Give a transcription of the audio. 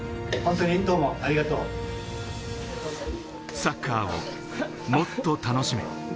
サッカーをもっと楽しめ。